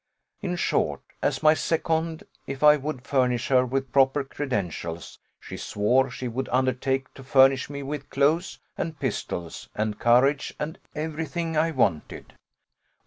In short, as my second, if I would furnish her with proper credentials, she swore she would undertake to furnish me with clothes, and pistols, and courage, and every thing I wanted.